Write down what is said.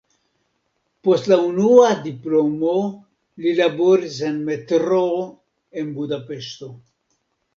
Post la unua diplomo li laboris en metroo en Budapeŝto.